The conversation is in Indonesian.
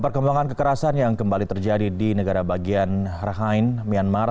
perkembangan kekerasan yang kembali terjadi di negara bagian rahine myanmar